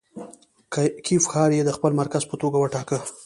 کیف ښاریې د خپل مرکز په توګه وټاکه.